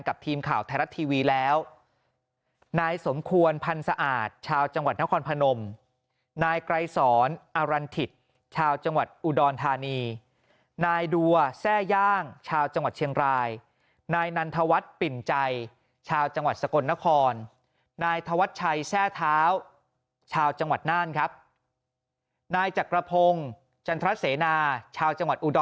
กับทีมข่าวไทยรัฐทีวีแล้ว